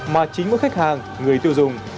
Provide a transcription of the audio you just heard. mà chính mỗi khách hàng người tiêu dụng